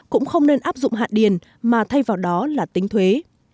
cũng không nên áp dụng hạn điền mà thay vào đó là tính thuế